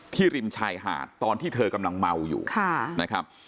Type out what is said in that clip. ริมชายหาดตอนที่เธอกำลังเมาอยู่นะครับ